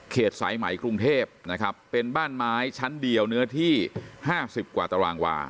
สายไหมกรุงเทพนะครับเป็นบ้านไม้ชั้นเดียวเนื้อที่๕๐กว่าตารางวา